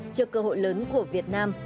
trước cơ hội lớn của việt nam